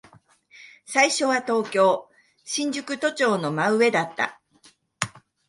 最初は東京、新宿都庁の真上だった。